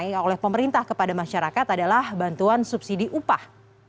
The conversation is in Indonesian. yang terakhir yang diperintah kepada masyarakat adalah bantuan subsidi upah